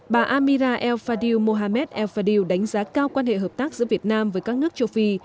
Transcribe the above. bà amira el fadil mohammed el fadiu đánh giá cao quan hệ hợp tác giữa việt nam với các nước châu phi